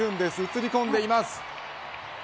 映り込んでいます。